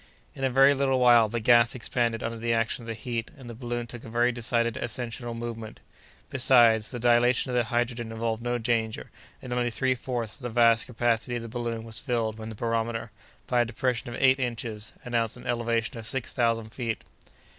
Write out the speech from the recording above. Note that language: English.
In a very little while, the gas expanded under the action of the heat, and the balloon took a very decided ascensional movement. Besides, the dilation of the hydrogen involved no danger, and only three fourths of the vast capacity of the balloon was filled when the barometer, by a depression of eight inches, announced an elevation of six thousand feet.